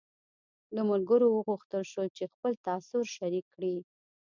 له ملګرو وغوښتل شول چې خپل تاثر شریک کړي.